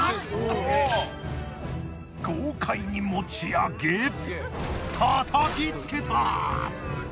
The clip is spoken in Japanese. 豪快に持ち上げ叩きつけた！